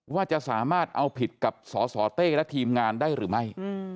ว่าจะสามารถเอาผิดกับสสเต้และทีมงานได้หรือไม่